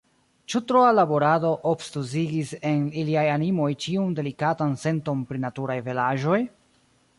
Ĉu troa laborado obtuzigis en iliaj animoj ĉiun delikatan senton pri naturaj belaĵoj?